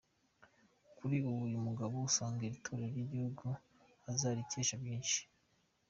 Kuri ubu uyu mugabo asanga iri torero ry'igihugu azarikesha byinshi.